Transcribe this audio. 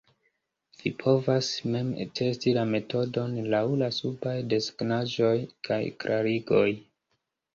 Vi povas mem testi la metodon laŭ la subaj desegnaĵoj kaj klarigoj.